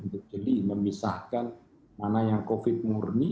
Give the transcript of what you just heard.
jadi memisahkan mana yang covid sembilan belas murni